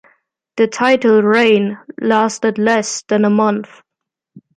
The title reign lasted less than a month.